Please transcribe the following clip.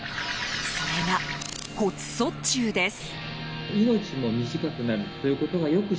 それが骨卒中です。